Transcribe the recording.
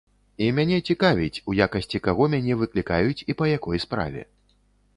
І мяне цікавіць, у якасці каго мяне выклікаюць і па якой справе.